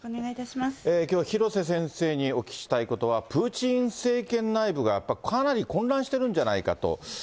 きょう、廣瀬先生にお聞きしたいことは、プーチン政権内部が、やっぱりかなり混乱しているんじゃないかと。